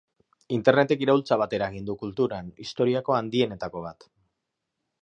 Internetek iraultza bat eragin du kulturan, historiako handienetako bat.